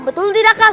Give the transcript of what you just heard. betul tidak kal